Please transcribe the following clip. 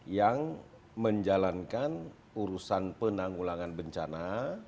yang menjalankan urusan penanggulangan bencana